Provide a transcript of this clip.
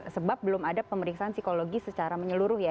sebab belum ada pemeriksaan psikologi secara menyeluruh ya